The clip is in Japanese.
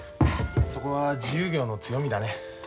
そこは自由業の強みだね。